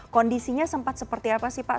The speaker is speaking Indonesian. kondisinya sempat seperti apa sih pak